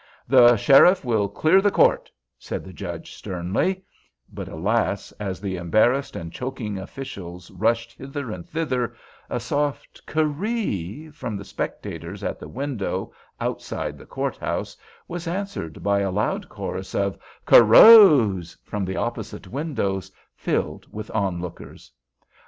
"The sheriff will clear the court," said the Judge, sternly; but alas, as the embarrassed and choking officials rushed hither and thither, a soft "Kerree" from the spectators at the window, outside the courthouse, was answered by a loud chorus of "Kerrows" from the opposite windows, filled with onlookers.